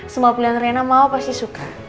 semua pilihan rena mau pasti suka